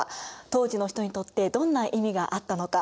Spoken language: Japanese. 当時の人にとってどんな意味があったのか。